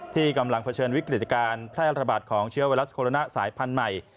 ที่กำลังเผชิญวิกฤตการแพร่ระบาดของเชื้อไวรัสโคโรนาสายพันธุ์ใหม่